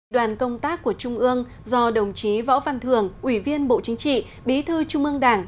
đoàn công tác của trung ương do đồng chí võ văn thường ủy viên bộ chính trị bí thư trung ương đảng